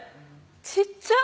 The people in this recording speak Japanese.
小っちゃ！